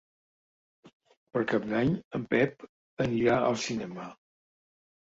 Per Cap d'Any en Pep anirà al cinema.